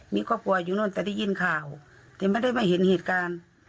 มีครอบครัวอยู่นู่นแต่ได้ยินข่าวแต่ไม่ได้มาเห็นเหตุการณ์